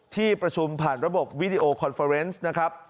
ที่ประชุมผ่านระบบวิดีโอคอนเฟอร์เนสนะครับ